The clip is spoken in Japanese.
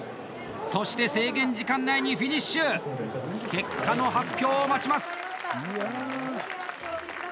そして制限時間内にフィニッシュ結果の発表を待ちます。